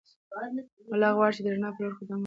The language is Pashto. ملا غواړي چې د رڼا په لور قدم واخلي.